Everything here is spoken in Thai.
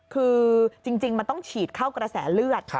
คือจริงมันต้องฉีดเข้ากระแสเลือด